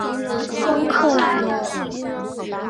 蒙克莱。